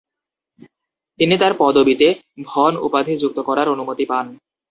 তিনি তাঁর পদবিতে "ভন" উপাধি যুক্ত করার অনুমতি পান।